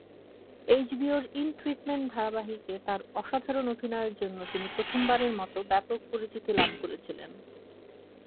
এইচবিওর "in treatment" ধারাবাহিকে তার অসাধারণ অভিনয়ের জন্য তিনি প্রথমবারের মত ব্যাপক পরিচিতি লাভ করেছিলেন।